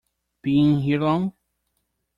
Been here long?